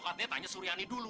katanya tanya suriani dulu